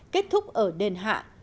kết thúc ở đền hạ